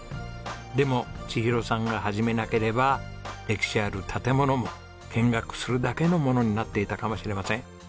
でも千尋さんが始めなければ歴史ある建物も見学するだけのものになっていたかもしれません。